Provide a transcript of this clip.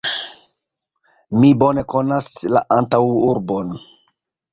Mi bone konas la antaŭurbon.